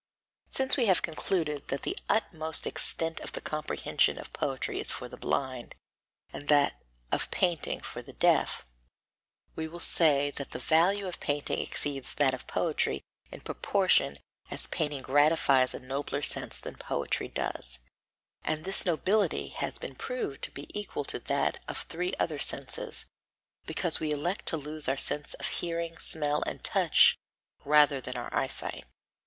23. Since we have concluded that the utmost extent of the comprehension of poetry is for the blind, and that of painting for the deaf, we will say that the value of painting exceeds that of poetry in proportion as painting gratifies a nobler sense than poetry does, and this nobility has been proved to be equal to that of three other senses, because we elect to lose our sense of hearing, smell and touch rather than our eyesight.